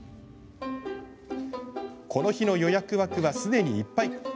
この日の予約枠はすでにいっぱい。